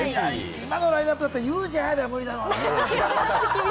今のラインナップだったら、ユージ・アヤベは無理だろうな。